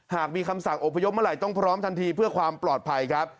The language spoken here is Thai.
หากมีคำสั่งอพยพเมื่อไหร่ต้องพร้อมทันทีเพื่อความปลอดภัยครับ